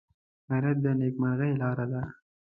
غیرت د نیکمرغۍ لاره ده